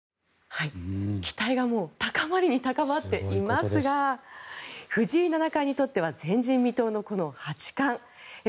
期待がもう高まりに高まっていますが藤井七冠にとっては前人未到のこの八冠。